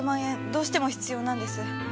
どうしても必要なんです。